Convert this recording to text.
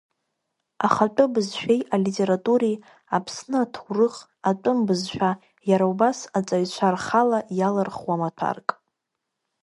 Ахатәы бызшәеи алитературеи, Аԥсны аҭоурых, атәым бызшәа, иара убас, аҵаҩцәа рхала иалырхуа маҭәарк.